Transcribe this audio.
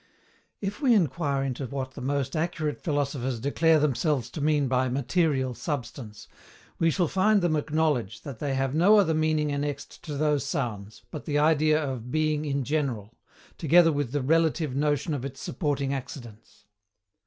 If we inquire into what the most accurate philosophers declare themselves to mean by MATERIAL SUBSTANCE, we shall find them acknowledge they have no other meaning annexed to those sounds but the idea of BEING IN GENERAL, together WITH THE RELATIVE NOTION OF ITS SUPPORTING ACCIDENTS.